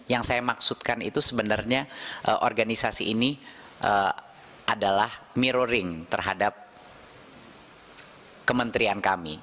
yang saya maksudkan itu sebenarnya organisasi ini adalah mirroring terhadap kementerian kami